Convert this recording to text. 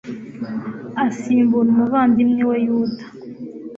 asimbura umuvandimwe we yuda